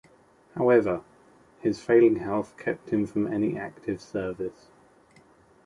However, his failing health kept him from any active service.